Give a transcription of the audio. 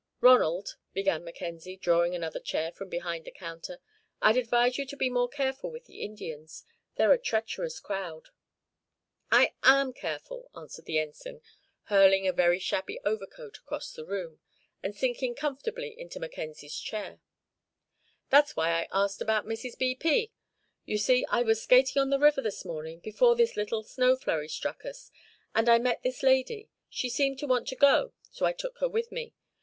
"Ronald," began Mackenzie, drawing another chair from behind the counter, "I'd advise you to be more careful with the Indians. They're a treacherous crowd." "I am careful," answered the Ensign, hurling a very shabby overcoat across the room, and sinking comfortably into Mackenzie's chair. "That's why I asked about Mrs. B. P. You see, I was skating on the river this morning, before this little snow flurry struck us, and I met this lady. She seemed to want to go, so I took her with me.